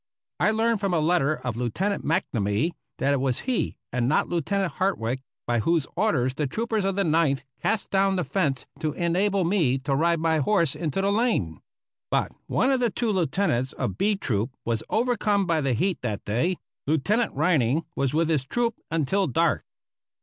I learn from a letter of Lieutenant McNamee that it was he, and not Lieutenant Hartwick, by whose orders the troopers of the Ninth cast down the fence to enable me to ride my horse into the lane. But one of the two lieutenants of B troop was overcome by the heat that day; Lieutenant Rynning was with his troop until dark.